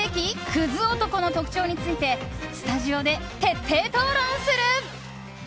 クズ男の特徴についてスタジオで徹底討論する。